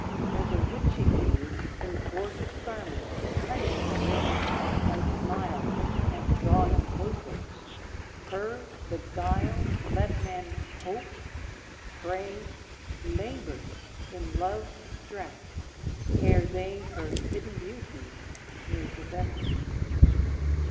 As a witching maid In gorgeous garments cunningly arrayed Might smile and draw them closer, hers the guile To let men hope, pray, labor in love's stress Ere they her hidden beauties may possess.